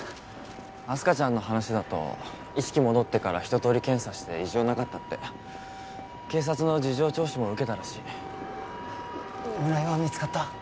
明日香ちゃんの話だと意識戻ってからひととおり検査して異常なかったって警察の事情聴取も受けたらしい村井は見つかった？